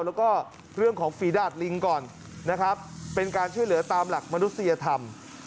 แล้วก็เรื่องของฝีดาดลิงก่อนนะครับเป็นการช่วยเหลือตามหลักมนุษยธรรม